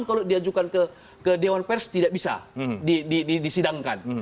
tujukan ke dewan pers tidak bisa disidangkan